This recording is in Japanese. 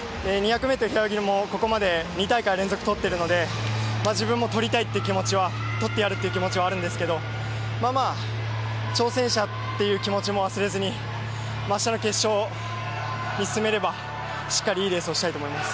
２００ｍ平泳ぎも、ここまで２大会連続とっているので自分もとりたい、とってやるという気持ちはあるんですけど挑戦者という気持ちも忘れずに明日の決勝に進めれば、しっかりいいレースをしたいと思います。